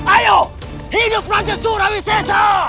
ayo hidup raja surawisisa